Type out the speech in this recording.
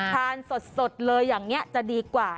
ทานสดเลยอย่างนี้จะดีกว่า